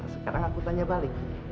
sekarang aku tanya balik